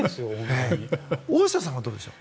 大下さんはどうですか？